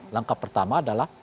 langkah pertama adalah